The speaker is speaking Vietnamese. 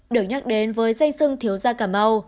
được nhắc đến với danh sưng thiếu da cà mau